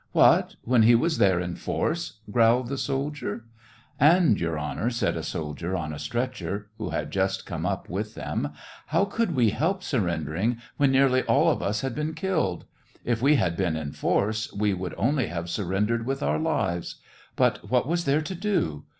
" What, when he was there in force ?" growled the soldier. SEVASTOPOL IN MAY. 73 " And, Your Honor," said a soldier on a stretcher, who had just come up with them, "how could we help surrendering, when nearly all of us had been killed? If we had been in force, we would only have surrendered with our lives. But what was there to do